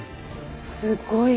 すごい。